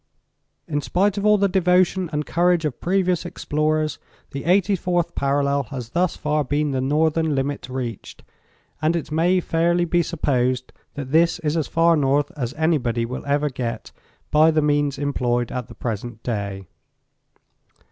"In spite of all the devotion and courage of previous explorers, the eighty fourth parallel has thus far been the northern limit reached. And it may fairly be supposed that this is as far north as anybody will ever get by the means employed at the present day.